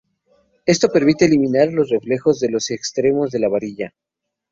Esto permite eliminar los reflejos de los extremos de la varilla.